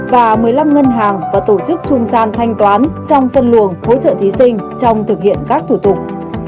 và một mươi năm ngân hàng và tổ chức trung gian thanh toán trong phân luồng hỗ trợ thí sinh trong thực hiện các thủ tục